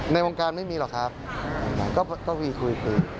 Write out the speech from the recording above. ในวงการไม่มีหรอกครับก็มีคุยคุย